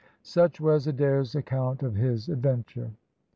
Such was Adair's account of his adventure.